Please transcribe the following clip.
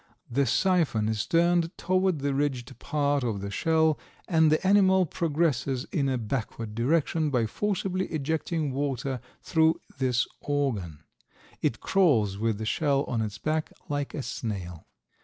The siphon is turned toward the ridged part of the shell and the animal progresses in a backward direction by forcibly ejecting water through this organ. It crawls with the shell on its back, like a snail.